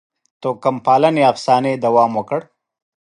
توکم پالنې افسانې دوام وکړ.